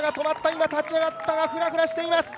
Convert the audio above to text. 今、立ち上がったが、ふらふらしています。